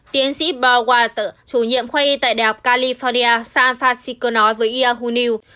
tiến sĩ paul watt chủ nhiệm khoa y tại đại học california san francisco nói với yahoo news